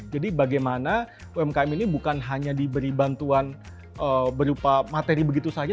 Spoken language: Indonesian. jadi bagaimana umkm ini bukan hanya diberi bantuan berupa materi begitu saja